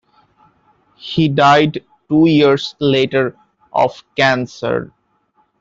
He died two years later of cancer.